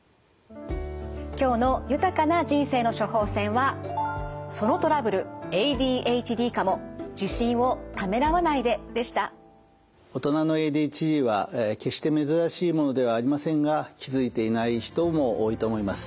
今日の豊かな人生の処方せんは大人のＡＤＨＤは決して珍しいものではありませんが気付いていない人も多いと思います。